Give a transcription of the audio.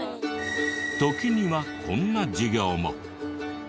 時にはこんな授業も。